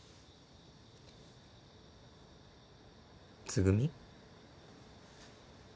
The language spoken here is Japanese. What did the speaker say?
つぐみ。